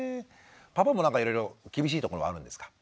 パパもなんかいろいろ厳しいところはあるんですか？